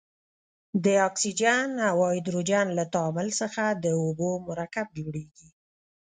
د اکسیجن او هایدروجن له تعامل څخه د اوبو مرکب جوړیږي.